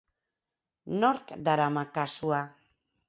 Nork darama kasua?